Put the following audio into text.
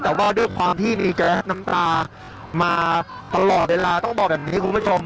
แต่ว่าด้วยความที่มีแก๊สน้ำตามาตลอดเวลาต้องบอกแบบนี้คุณผู้ชม